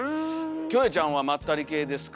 キョエちゃんはまったり系ですか？